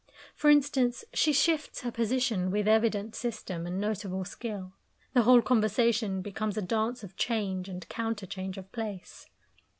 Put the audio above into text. For instance, she shifts her position with evident system and notable skill. The whole conversation becomes a dance of change and counterchange of place.